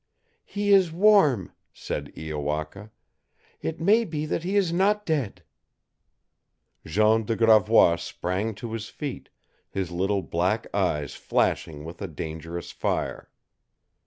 "He is warm," said Iowaka. "It may be that he is not dead." Jean de Gravois sprang to his feet, his little black eyes flashing with a dangerous fire.